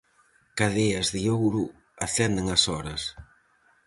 Cadeas de ouro acenden as horas.